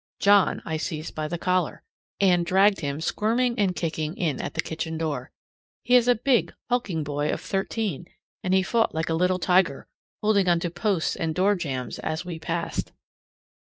John I seized by the collar; and dragged him squirming and kicking in at the kitchen door. He is a big, hulking boy of thirteen, and he fought like a little tiger, holding on to posts and doorjambs as we passed.